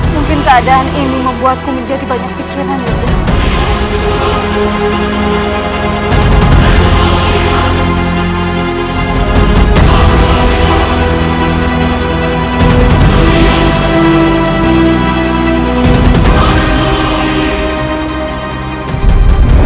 mungkin keadaan ini membuatku menjadi banyak kekejuanan yunda